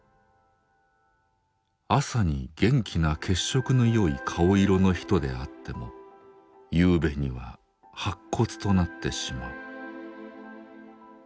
朝に元気な血色のよい顔色の人であっても夕べには白骨となってしまう。